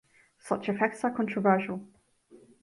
Such effects are controversial.